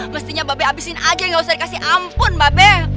mestinya mbak be habisin aja nggak usah dikasih ampun mbak be